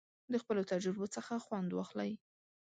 د خپلو تجربو څخه خوند واخلئ.